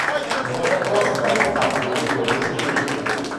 Le répertoire s'est d'abord appelé le registre des métiers.